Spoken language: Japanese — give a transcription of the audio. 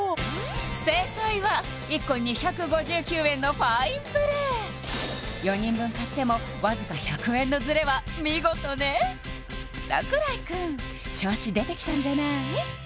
正解は１個２５９円のファインプレー４人分買ってもわずか１００円のズレは見事ね櫻井くん調子出てきたんじゃない？